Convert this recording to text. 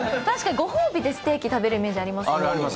確かにご褒美でステーキ食べるイメージあります。